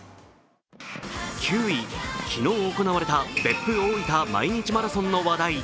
９位、昨日行われた別府大分毎日マラソンの話題。